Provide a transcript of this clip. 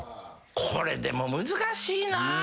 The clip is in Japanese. これでも難しいなあ。